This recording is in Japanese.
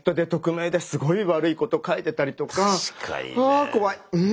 あ怖い！